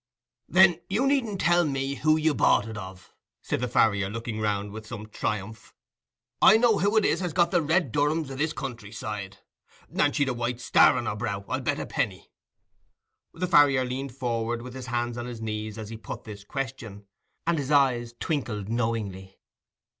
"Then you needn't tell me who you bought it of," said the farrier, looking round with some triumph; "I know who it is has got the red Durhams o' this country side. And she'd a white star on her brow, I'll bet a penny?" The farrier leaned forward with his hands on his knees as he put this question, and his eyes twinkled knowingly.